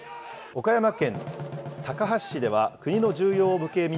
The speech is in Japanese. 岡山県高梁市では、国の重要無形民俗